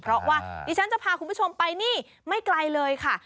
เพราะว่าดิฉันจะพาคุณผู้ชมไปนี่ไม่ไกลเลยค่ะ